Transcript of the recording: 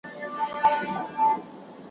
بېله پوښتني ځي جنت ته چي زکات ورکوي ,